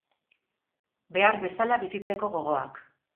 Behar bezala bizitzeko gogoak.